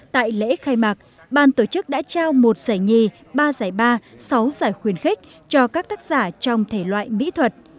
tại lễ khai mạc ban tổ chức đã trao một giải nhì ba giải ba sáu giải khuyên khích cho các tác giả trong thể loại mỹ thuật